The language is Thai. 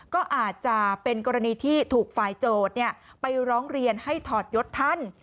ก็อาจจะเป็นกรณีที่ถูกฝ่ายโจทย์ไปร้องเรียนให้ถอดยศท่าน